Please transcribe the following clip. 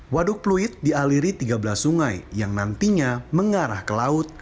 waduk pluit dialiri tiga belas sungai yang nantinya mengarah ke laut